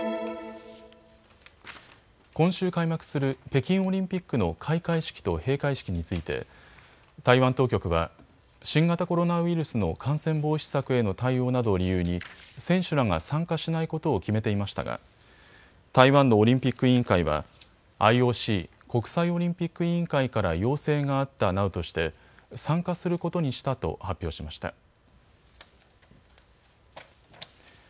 今週開幕する北京オリンピックの開会式と閉会式について台湾当局は新型コロナウイルスの感染防止策への対応などを理由に選手らが参加しないことを決めていましたが台湾のオリンピック委員会はＩＯＣ・国際オリンピック委員会から要請があったなどとして参加することにしたと発表しました。